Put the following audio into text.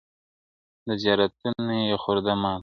• د زيارتـونو يې خورده ماتـه كـړه.